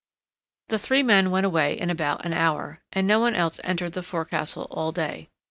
The three men went away in about an hour, and no one else entered the forecastle all day.